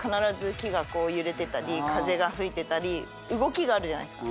木が揺れてたり風が吹いてたり動きがあるじゃないですか。